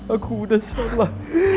aku udah salah